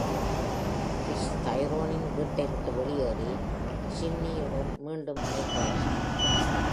Fiz Tyrone-னின் வீட்டை விட்டு வெளியேறி Chesney-யுடன் மீண்டும் இணைகிறார்.